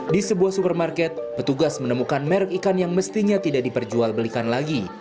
di sebuah supermarket petugas menemukan merek ikan yang mestinya tidak diperjualbelikan lagi